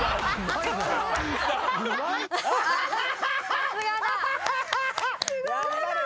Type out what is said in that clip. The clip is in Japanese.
さすがだ。